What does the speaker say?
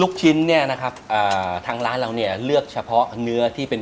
ลูกชิ้นทั้งร้านเราเลือกเฉพาะเนื้อที่เป็น